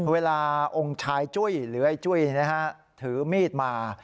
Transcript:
เวลาองค์ชายจุ้ยหรือไอ้จุ้ยนะฮะถือมีดมา